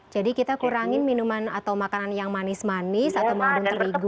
jadi kita kurangin minuman atau makanan yang manis manis atau mengandung terigu